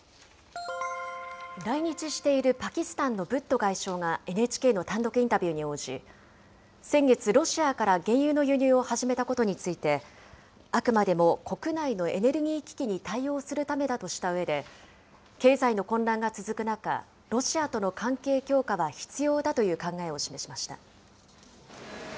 来日しているパキスタンのブット外相がＮＨＫの単独インタビューに応じ、先月、ロシアから原油の輸入を始めたことについて、あくまでも国内のエネルギー危機に対応するためだとしたうえで、経済の混乱が続く中、ロシアとの関係強化は必要だという考えを示しました。